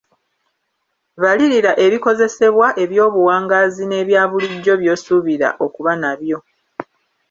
Balirira ebikozesebwa ebyobuwangaazi n’ebyabulijjo by’osuubira okuba nabyo.